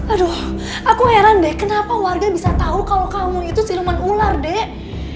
aduh aku heran deh kenapa warga bisa tahu kalau kamu itu siluman ular dek